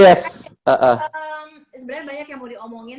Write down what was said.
sebenarnya banyak yang mau diomongin